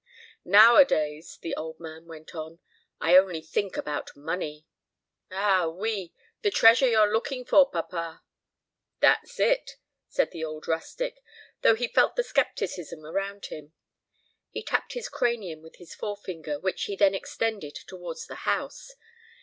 "Nowadays," the old man went on, "I only think about money." "Ah, oui, the treasure you're looking for, papa." "That's it," said the old rustic, though he felt the skepticism around him. He tapped his cranium with his forefinger, which he then extended towards the house.